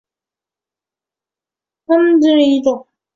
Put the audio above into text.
白虹副克里介为荆花介科副克里介属下的一个种。